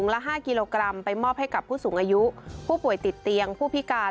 ละ๕กิโลกรัมไปมอบให้กับผู้สูงอายุผู้ป่วยติดเตียงผู้พิการ